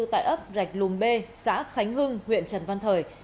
tại ấp rạch lùm b xã khánh hưng huyện trần văn thời